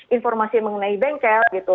informasi mengenai bengkel gitu